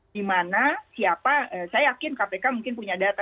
di mana siapa saya yakin kpk mungkin punya data